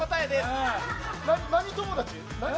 何友達？